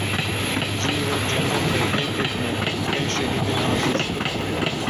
ciyê we cennet be ey kekno, ey şehîdên ezîz.